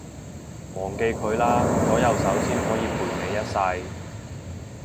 忘記佢啦，左右手先可以陪你一世